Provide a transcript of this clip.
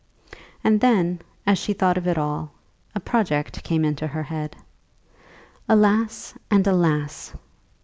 And then, as she thought of it all, a project came into her head. Alas, and alas!